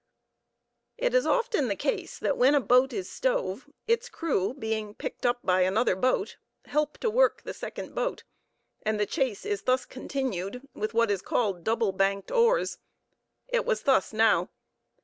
It is often the case that when a boat is stove, its crew, being picked up by another boat, help to work that second boat; and the chase is thus continued with what is called double banked oars. It was thus now.